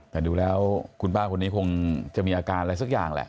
แต่ดูแล้วคุณป้าคนนี้คงจะมีอาการอะไรสักอย่างแหละ